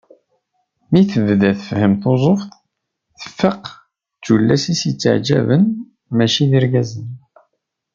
Mi tebda tfehhem tuzzuft, tfaq d tullas i as-yetteεjaben mačči d irgazen.